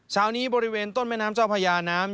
เช้านี้บริเวณต้นแม่น้ำเจ้าพญาน้ำ